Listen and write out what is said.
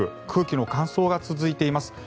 空気の乾燥が続いています。